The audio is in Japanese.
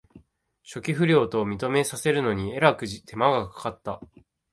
初期不良と認めさせるのにえらく手間がかかった